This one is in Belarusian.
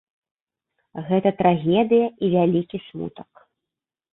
Гэта трагедыя і вялікі смутак.